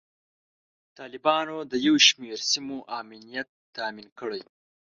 طالبانو د یو شمیر سیمو امنیت تامین کړی.